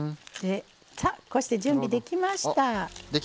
こうして準備ができました。